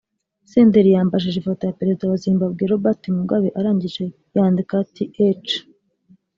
Senderi yabanje ifoto ya Perezida wa Zimbabwe Robert Mugabe arangije yandika ati “H